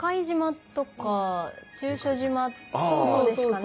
そうですかね？